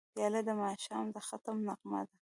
پیاله د ماښام د ختم نغمه ده.